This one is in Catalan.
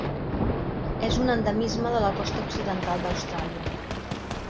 És un endemisme de la costa occidental d'Austràlia.